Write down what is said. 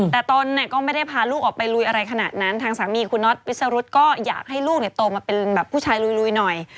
แต่ตนก็ไม่ได้พาลูกออกไปลุยอะไรขนาดนั้นทางสามีคุณน็อตวิสรุธก็อยากให้ลูกโตมาเป็นแบบผู้ชายลุยหน่อย